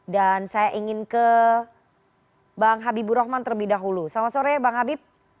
dan saya ingin ke bang habibur rahman terlebih dahulu selamat sore bang habib